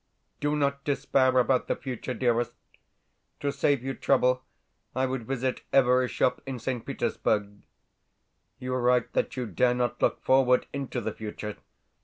Do not despair about the future, dearest. To save you trouble I would visit every shop in St. Petersburg. You write that you dare not look forward into the future.